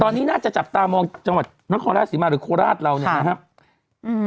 ตอนนี้น่าจะจับตามองจังหวัดนครราชสีมาหรือโคราชเราเนี่ยนะครับอืม